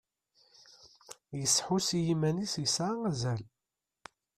Yesḥus i yiman-is yesɛa azal.